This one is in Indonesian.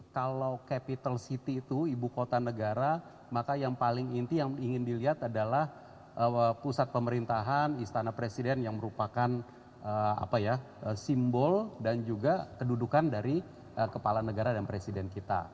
kalau capital city itu ibu kota negara maka yang paling inti yang ingin dilihat adalah pusat pemerintahan istana presiden yang merupakan simbol dan juga kedudukan dari kepala negara dan presiden kita